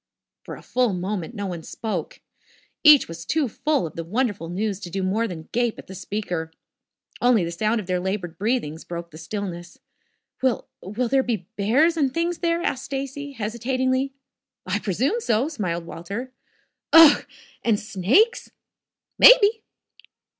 For a full moment no one spoke. Each was too full of the wonderful news to do more than gape at the speaker. Only the sound of their labored breathings broke the stillness. "Will will there be bears and things there?" asked Stacy, hesitatingly. "I presume so," smiled Walter. "Ugh! And snakes?" "Maybe."